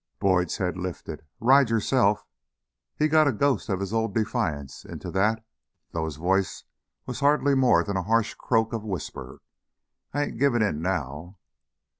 Boyd's head lifted. "Ride yourself!" He got a ghost of his old defiance into that, though his voice was hardly more than a harsh croak of whisper. "I ain't givin' in now!"